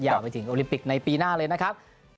ไปถึงโอลิมปิกในปีหน้าเลยนะครับ